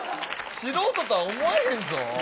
素人とは思えへんぞ。